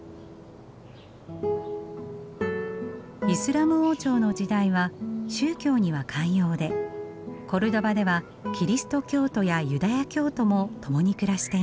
イスラム王朝の時代は宗教には寛容でコルドバではキリスト教徒やユダヤ教徒も共に暮らしていました。